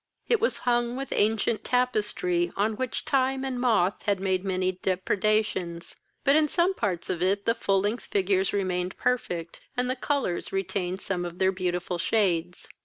It was hung with ancient tapestry, on which time and moth had made many depredations; but, in some parts of it, the full length figures remained perfect, and the colours retained some of their beautiful shades.